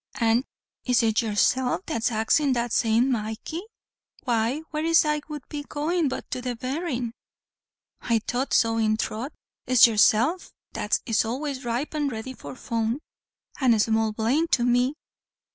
"An' is it yoursef that's axin' that same, Mikee? why where is it I would be goin' but to the berrin'?" "I thought so in throth. It's yoursef that is always ripe and ready for fun." "And small blame to me."